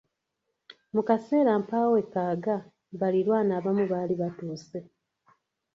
Mu kaseera mpawekaaga baliraanwa abamu baali batuuse.